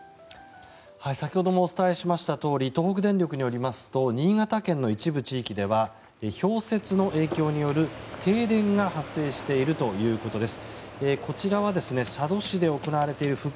先ほどもお伝えしましたとおり東北電力によりますと新潟県の一部地域では氷雪の影響による停電が発生しているということです。